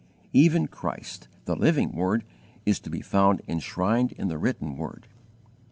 Even Christ, the Living Word, is to be found enshrined in the written word.